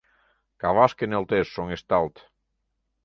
Кавашке нӧлтеш, шоҥешталт.